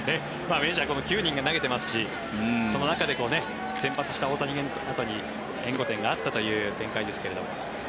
メジャー、９人が投げていますしその中で先発した大谷に援護点があったという展開ですが。